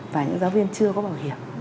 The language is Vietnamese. và những giáo viên chưa có bảo hiểm